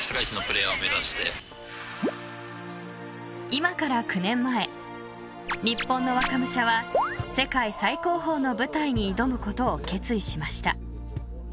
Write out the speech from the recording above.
［今から９年前日本の若武者は世界最高峰の舞台に挑むことを決意しました］